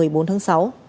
đến một mươi bốn tháng sáu